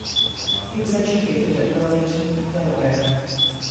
He was educated at Wilmington, Delaware.